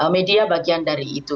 media bagian dari itu